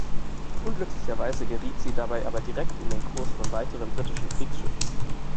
Unglücklicherweise geriet sie dabei aber direkt in den Kurs von weiteren britischen Kriegsschiffen.